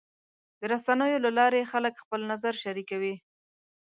د رسنیو له لارې خلک خپل نظر شریکوي.